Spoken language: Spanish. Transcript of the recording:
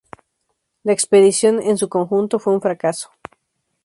La expedición, en su conjunto, fue un fracaso.